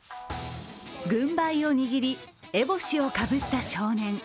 軍配を握りえぼしをかぶった少年。